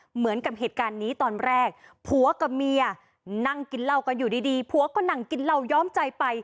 เหมือนกับเหตุการณ์นี้ตอนแรกผัวกับเมียนั่งกินเหล้ากันอยู่ดีผัวก็นั่งกินเหล้าย้อมใจไป